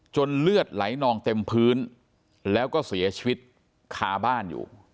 เลือดไหลนองเต็มพื้นแล้วก็เสียชีวิตคาบ้านอยู่